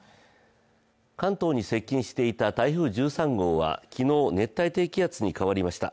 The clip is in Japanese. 関東に接近していた台風１３号は昨日、熱帯低気圧に変わりました。